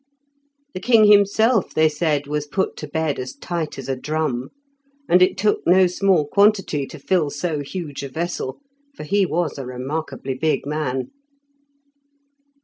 The king himself, they said, was put to bed as tight as a drum, and it took no small quantity to fill so huge a vessel, for he was a remarkably big man.